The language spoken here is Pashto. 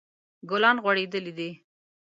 ګلان غوړیدلی دي